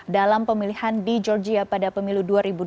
dalam pemilihan di georgia pada pemilu dua ribu dua puluh